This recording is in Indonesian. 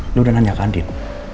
anda sudah tanya ke andin